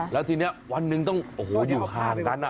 แล้วทีนี้วันหนึ่งต้องโอ้โหอยู่ห่างกัน